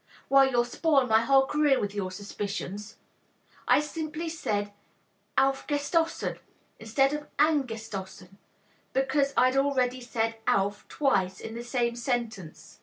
Why, you'll spoil my whole career with your suspicions. I simply said 'auf gestossen' instead of 'an gestossen,' because I'd already said 'auf' twice in the same sentence.